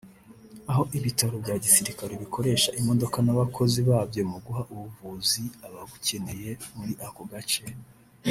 aho ibitaro bya gisirikare bikoresha imodoka n’abakozi babyo mu guha ubuvuzi ababukeneye muri ako gace